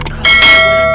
kalau saya gak tahu